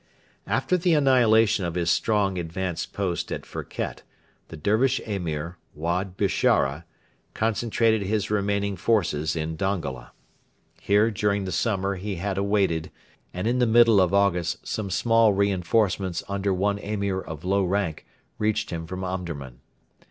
After the annihilation of his strong advanced post at Firket, the Dervish Emir, Wad Bishara, concentrated his remaining forces in Dongola. Here during the summer he had awaited, and in the middle of August some small reinforcements under one Emir of low rank reached him from Omdurman.